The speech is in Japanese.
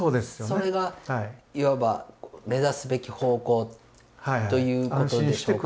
それがいわば目指すべき方向ということでしょうか。